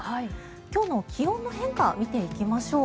今日の気温の変化見ていきましょう。